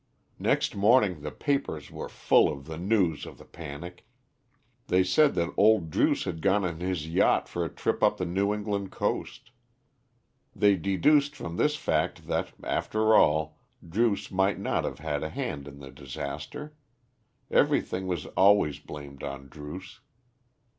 Next morning the papers were full of the news of the panic. They said that old Druce had gone in his yacht for a trip up the New England coast. They deduced from this fact, that, after all, Druce might not have had a hand in the disaster; everything was always blamed on Druce.